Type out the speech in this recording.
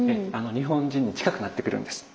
日本人に近くなってくるんです。